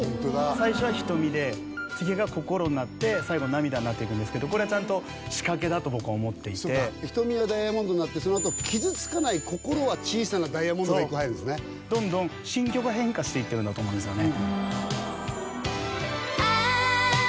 最初は瞳で次が心になって最後涙になっていくんですけどこれはちゃんと仕掛けだと僕は思っていてそうか「瞳はダイアモンド」になってそのあと「傷つかない心は小さなダイアモンド」が１個入るんですねどんどん心境が変化していってるんだと思うんですよね